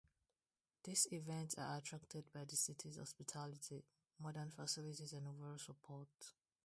These events are attracted by the city's hospitality, modern facilities and overall support.